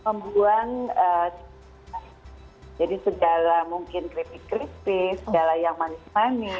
membuang jadi segala mungkin kripik kritis segala yang manis manis